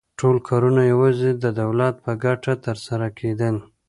ټول کارونه یوازې د دولت په ګټه ترسره کېدل